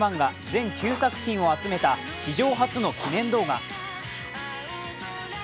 全９作品を集めた、史上初の記念動画。